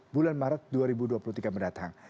bulan maret dua ribu dua puluh tiga mendatang